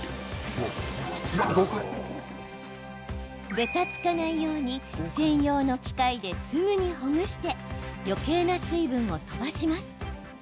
べたつかないように専用の機械ですぐにほぐしてよけいな水分を飛ばします。